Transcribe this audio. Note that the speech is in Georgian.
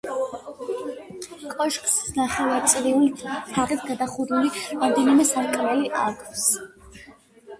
კოშკს ნახევარწრიული თაღით გადახურული რამდენიმე სარკმელი აქვს.